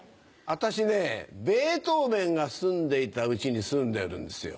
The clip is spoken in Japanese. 私ねベートーベンが住んでいた家に住んでるんですよ。